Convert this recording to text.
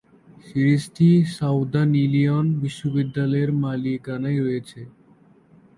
সিরিজটি Southern Illinois বিশ্ববিদ্যালয়ের মালিকানায় রয়েছে।